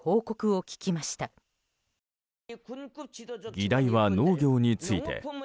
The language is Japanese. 議題は農業について。